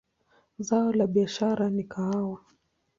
Zao la biashara ni kahawa.